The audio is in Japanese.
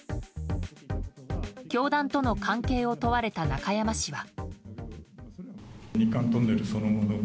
教団との関係を問われた中山氏は。